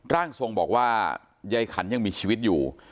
ร่างทรงบอกว่ายายขันยังมีชีวิตอยู่